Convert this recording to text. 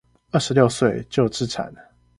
二十六歲就置產